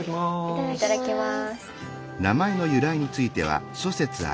いただきます。